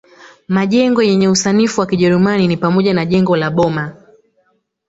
Majengo yenye usanifu wa kijerumani ni pamoja na jengo la Boma